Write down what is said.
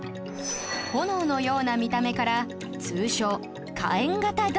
炎のような見た目から通称火焔型土器